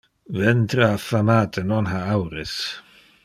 Ventre affamate non ha aures.